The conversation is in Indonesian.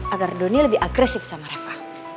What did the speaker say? agar doni lebih agresif sama reva